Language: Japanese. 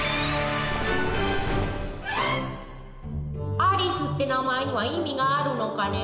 アリスって名前には意味があるのかね？